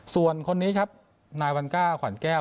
ส่วนคนนี้ครับนายวันก้าขวัญแก้ว